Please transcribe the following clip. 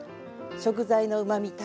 食材のうまみたっぷり。